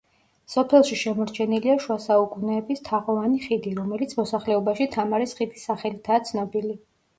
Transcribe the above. სოფელში შემორჩენილია შუა საუკუნეების თაღოვანი ხიდი, რომელიც მოსახლეობაში „თამარის ხიდის“ სახელითაა ცნობილი.